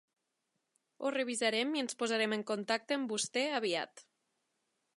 Ho revisarem i ens posarem en contacte amb vostè aviat.